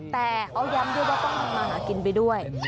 แต่เขาย้ำด้วยว่าต้องทำมาหากินไปด้วย